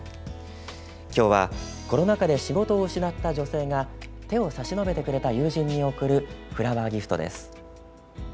きょうはコロナ禍で仕事を失った女性が手を差し伸べてくれた友人に贈るフラワーギフトです。